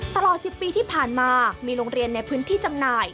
ตลอด๑๐ปีที่ผ่านมามีโรงเรียนในพื้นที่จำหน่าย